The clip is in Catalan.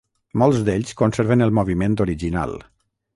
Molts d'ells conserven el moviment original.